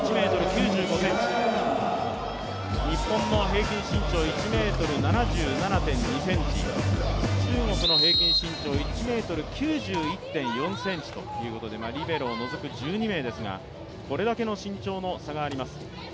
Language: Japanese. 日本の平均身長１ｍ７２．２ｃｍ、中国の平均身長１ｍ９１．４ｃｍということでリベロを除く１２名ですがこれだけの身長の差があります。